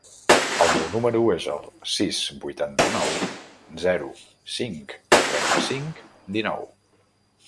El meu número es el sis, vuitanta-nou, zero, cinc, trenta-cinc, dinou.